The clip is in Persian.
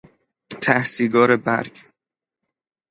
ته سیگار برگ